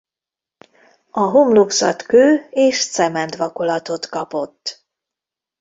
A homlokzat kő és cement vakolatot kapott.